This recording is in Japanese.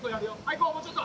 こうもうちょっと。